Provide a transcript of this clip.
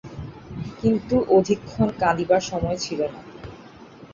কিন্তু অধিকক্ষণ কাঁদিবার সময় ছিল না।